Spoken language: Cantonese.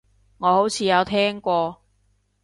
我好似有聽過